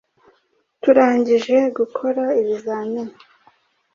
turangije gukora ibizamini,